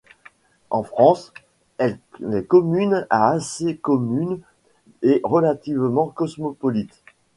En France, elle est commune à assez commune et relativement cosmopolite.